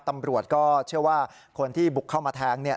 ตำรวจก็เชื่อว่าคนที่บุกเข้ามาแทง